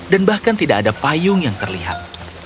dan bahkan tidak ada payung yang terlihat